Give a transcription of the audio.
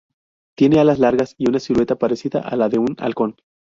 Tiene alas largas y una silueta parecida a la de un halcón.